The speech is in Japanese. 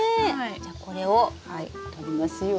じゃこれをとりますよ。